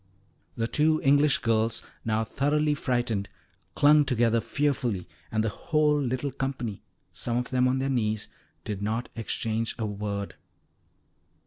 The two English girls, now thoroughly frightened, clung together fearfully, and the whole little company, some of them on their knees, did not exchange a word.